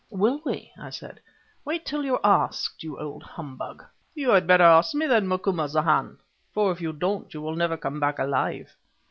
"Will we!" I said; "wait till you are asked, you old humbug." "You had better ask me, then, Macumazahn, for if you don't you will never come back alive.